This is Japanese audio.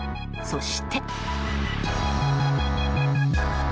そして。